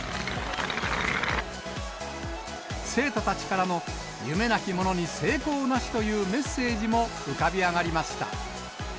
生徒たちからの夢なき者に成功なしというメッセージも浮かび上がりました。